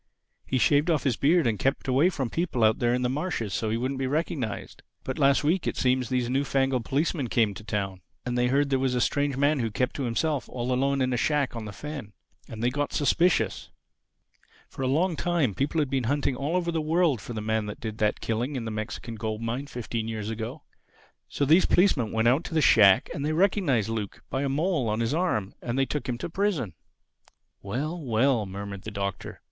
He shaved off his beard and kept away from people out there on the marshes so he wouldn't be recognized. But last week, it seems these new fangled policemen came to Town; and they heard there was a strange man who kept to himself all alone in a shack on the fen. And they got suspicious. For a long time people had been hunting all over the world for the man that did that killing in the Mexican gold mine fifteen years ago. So these policemen went out to the shack, and they recognized Luke by a mole on his arm. And they took him to prison." "Well, well!" murmured the Doctor.